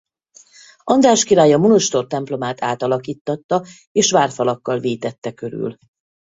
András király a monostor templomát átalakíttatta és várfalakkal vétette körül.